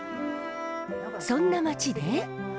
そんな町で。